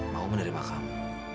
mau menerima kamu